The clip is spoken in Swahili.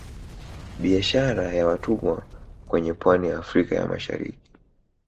Biashara ya watumwa kwenye pwani ya Afrika ya Mashariki